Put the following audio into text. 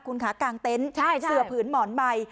คุณคะกางเต็นต์เสือผืนหมอนใบ